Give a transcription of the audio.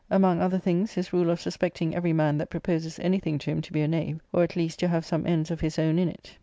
Among other things, his rule of suspecting every man that proposes any thing to him to be a knave; or, at least, to have some ends of his own in it.